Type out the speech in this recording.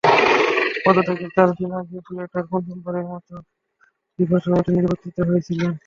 পদত্যাগের চার দিন আগে ব্ল্যাটার পঞ্চমবারের মতো ফিফার সভাপতি নির্বাচিত হয়েছিলেন।